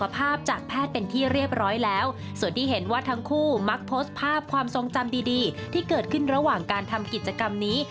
โพสต์ภาพความทรงจำดีที่เกิดขึ้นระหว่างการทำกิจกรรมนี้